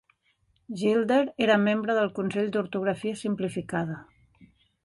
Gilder era membre del consell d'ortografia simplificada.